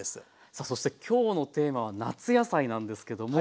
さあそして今日のテーマは夏野菜なんですけども。